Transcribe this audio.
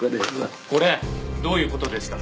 これどういうことですか？